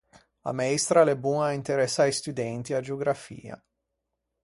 A meistra a l’é boña à interessâ i studenti a-a geografia.